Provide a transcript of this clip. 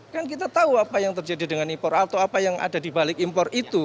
kan kita tahu apa yang terjadi dengan impor atau apa yang ada di balik impor itu